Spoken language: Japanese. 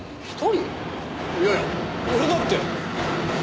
いやいや俺だって。